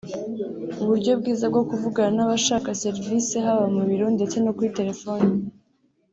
uburyo bwiza bwo kuvugana n’abashaka serivisi haba mu biro ndetse no kuri telefoni